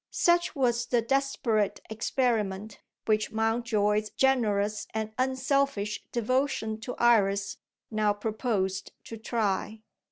Such was the desperate experiment which Mountjoy's generous and unselfish devotion to Iris now proposed to try.